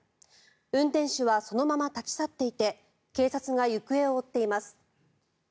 運転手はそのまま立ち去っていて警察が行方を追っています。